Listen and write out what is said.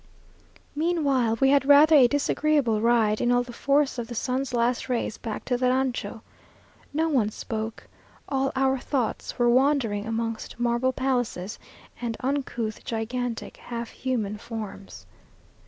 Meanwhile, we had rather a disagreeable ride, in all the force of the sun's last rays, back to the rancho. No one spoke all our thoughts were wandering amongst marble palaces, and uncouth, gigantic, half human forms.